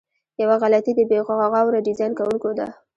یوه غلطي د بې غوره ډیزاین کوونکو ده.